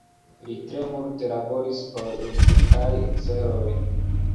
Li tre multe laboris por edukaj celoj.